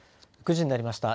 ９時になりました。